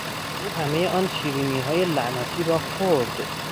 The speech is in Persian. او همهی آن شیرینیهای لعنتی را خورد!